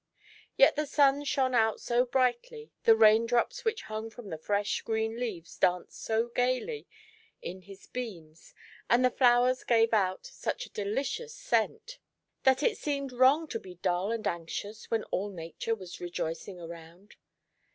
Yet the sun shone out so brightly, the rain drops which hung from the fresh green leaves danced so gaily in his beams, and the flowers gave out such a delicious scent. SUNDAY AT DOVE*S NEST. 79 that it seemed wrong to be dull and anxious when all Nature was rejoicing around.